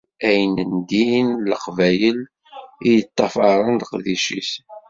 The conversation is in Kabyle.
Ayen din n Leqbayel i yeṭṭafaren leqdic-is.